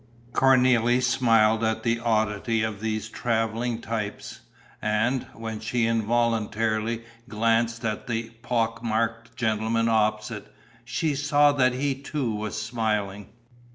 Cornélie smiled at the oddity of these travelling types; and, when she involuntarily glanced at the pock marked gentleman opposite, she saw that he too was smiling.